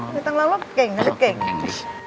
ช่วยน้อง